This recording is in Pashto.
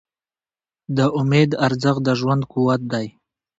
د امید ارزښت د ژوند قوت دی.